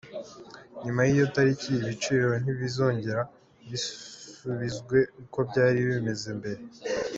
Nyuma y’iyo tariki, ibiciro bizongera bisubizwe uko byari bimeze mbere.